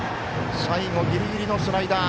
最後ギリギリのスライダー。